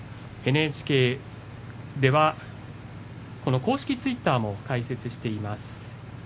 ＮＨＫでは公式ツイッターを開設しております。